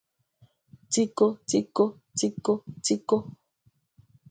Tìkó tìkó tìkó tìkó